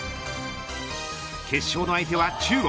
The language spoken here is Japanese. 決勝の相手は中国。